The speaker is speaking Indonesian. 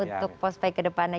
untuk postpay ke depannya